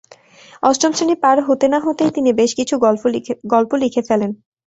অষ্টম শ্রেণী পার হতে না-হতেই তিনি বেশ কিছু গল্প লিখে ফেলেন।